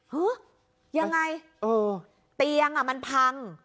ยังไงเตียงมันพัง